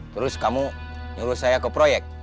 terus kamu nyuruh saya ke proyek